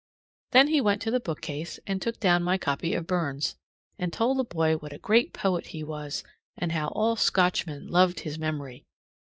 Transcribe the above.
Then he went to the bookcase and took down my copy of Burns, and told the boy what a great poet he was, and how all Scotchmen loved his memory.